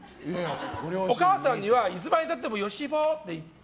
お母さんにはいつまで経ってもヨシ坊っていって。